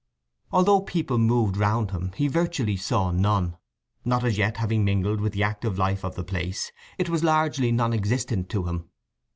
Although people moved round him he virtually saw none. Not as yet having mingled with the active life of the place it was largely non existent to him.